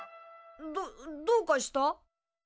どどうかした？